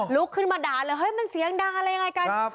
ลุกขึ้นมาด่าเลยมันเสียงดังอะไรอย่างไรการ